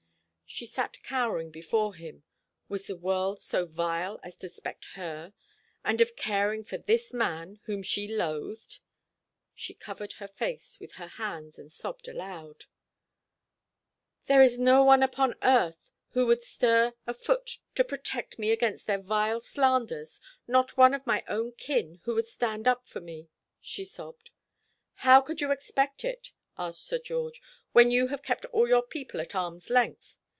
She sat cowering before him. Was the world so vile as to suspect her and of caring for this man, whom she loathed? She covered her face with her hands and sobbed aloud. "There is no one upon earth who would stir a foot to protect me against their vile slanders; not one of my own kin who would stand up for me," she sobbed. "How could you expect it," asked Sir George, "when you have kept all your people at arm's length?